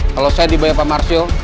kalau saya dibayar pak marsio